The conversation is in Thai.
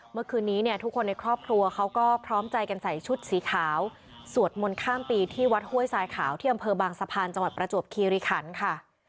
เมื่อคืนนี้เนี่ยทุกคนในครอบครัวเขาก็พร้อมใจกันใส่ชุดสีขาวสวดมนต์ข้ามปีที่วัดห้วยทรายขาวที่อำเภอบางสะพานจังหวัดประจวบคีริขันค่ะ